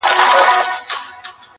هسي رنګه چي له ژونده یې بېزار کړم-